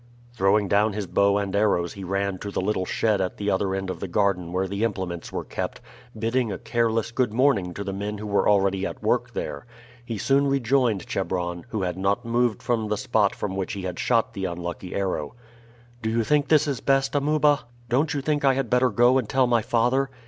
Throwing down his bow and arrows he ran to the little shed at the other end of the garden where the implements were kept, bidding a careless good morning to the men who were already at work there. He soon rejoined Chebron, who had not moved from the spot from which he had shot the unlucky arrow. "Do you think this is best, Amuba? Don't you think I had better go and tell my father?"